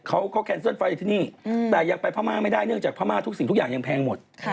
เขาแคนเซิลไฟที่นี่จะไปผ้ามาไม่ได้เนื่องจากผ้ามาทุกสิ่งอย่างแพงหมด